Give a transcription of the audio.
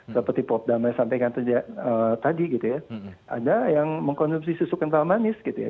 seperti pop damai sampaikan tadi gitu ya ada yang mengkonsumsi susu kental manis gitu ya